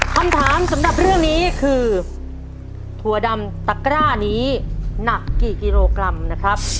คำถามสำหรับเรื่องนี้คือถั่วดำตะกร้านี้หนักกี่กิโลกรัมนะครับ